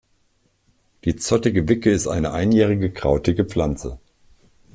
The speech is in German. Die Zottige Wicke ist eine einjährige krautige Pflanze.